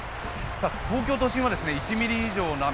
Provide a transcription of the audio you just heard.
東京都心は１ミリ以上の雨